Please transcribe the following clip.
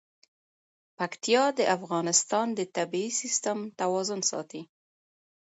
پکتیا د افغانستان د طبعي سیسټم توازن ساتي.